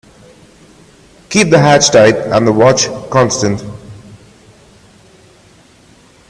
Keep the hatch tight and the watch constant.